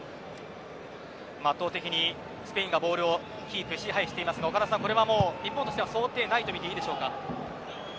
圧倒的にスペインがボールをキープしていますが岡田さん、これはもう日本として想定内とみていいでしょうか。